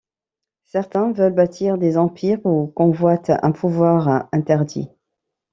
Certains veulent bâtir des empires ou convoitent un pouvoir interdit.